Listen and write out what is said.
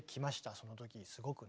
そのときすごくね。